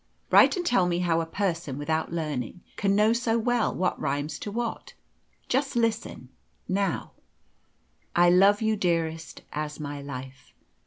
Write and tell me how a person, without learning, can know so well what rhymes to what? Just listen, now "I love you, dearest, as my life.